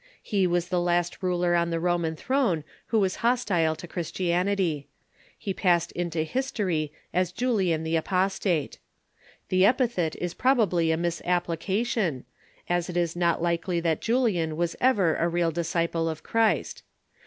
He was the last ruler on the Roman throne Avhq was hostile to Christian ity, He passed into history as Julian the Apostate, The epi thet is probably a misapplication, as it is not likely that Julian was ever a real disciple of Christ.